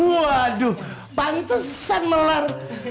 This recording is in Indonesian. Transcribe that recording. waduh pantesan melar